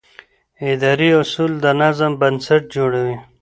اداري اصول د نظم بنسټ جوړوي.